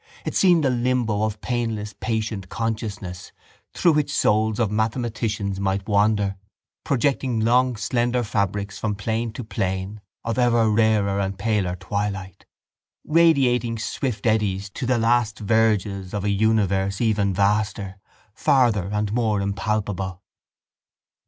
It seemed a limbo of painless patient consciousness through which souls of mathematicians might wander, projecting long slender fabrics from plane to plane of ever rarer and paler twilight, radiating swift eddies to the last verges of a universe ever vaster, farther and more impalpable.